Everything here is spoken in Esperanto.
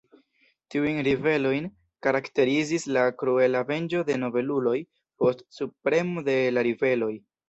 Tiujn ribelojn karakterizis la kruela venĝo de nobeluloj post subpremo de la ribeloj.